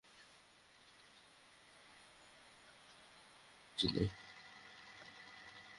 প্রথম পরিচয়ের দিনে কোনো পক্ষেরই গভীর সমস্যা নিয়ে আলোচনা করা উচিত নয়।